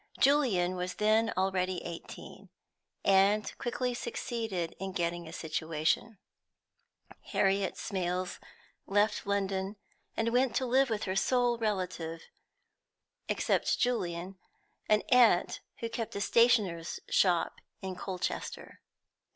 Julian was then already eighteen, and quickly succeeded in getting a situation. Harriet Smales left London, and went to live with her sole relative, except Julian, an aunt who kept a stationer's shop in Colchester.